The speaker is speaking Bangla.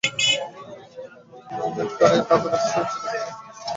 বস্তত নবীন অনেকবারই দাদার আশ্রয় ছেড়ে গ্রামে চাষবাসের সংকল্প করেছে।